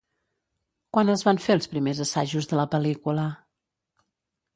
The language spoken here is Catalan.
Quan es van fer els primers assajos de la pel·lícula?